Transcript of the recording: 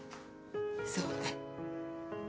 そうね。